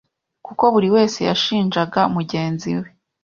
kuko buri wese yashinjaga mugenzi we